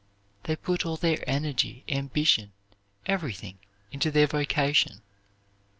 They put all their energy, ambition, everything into their vocation.